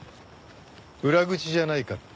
裏口じゃないかって。